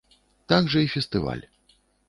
Так жа і фестываль.